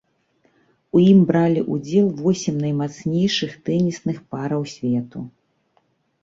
У ім бралі ўдзел восем наймацнейшых тэнісных параў свету.